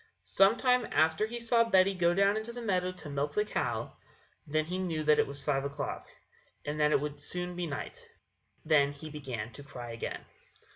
Some time after he saw Betty go down into the meadow to milk the cow; then he knew that it was five o'clock, and that it would soon be night; then he began to cry again.